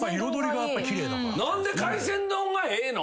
何で海鮮丼がええの？